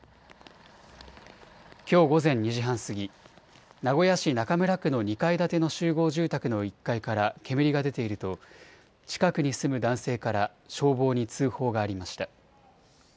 きょう午前２時半過ぎ、名古屋市中村区の２階建ての集合住宅の１階から煙が出ていると近くに住む男性から消防に通報がありました。